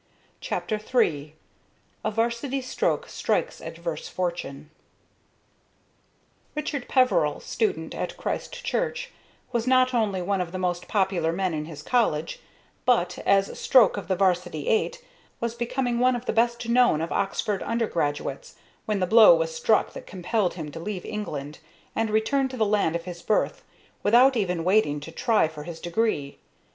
CHAPTER III A 'VARSITY STROKE STRIKES ADVERSE FORTUNE Richard Peveril, student at Christ Church, was not only one of the most popular men in his own college, but, as stroke of the 'varsity eight, was becoming one of the best known of Oxford undergraduates when the blow was struck that compelled him to leave England and return to the land of his birth without even waiting to try for his degree.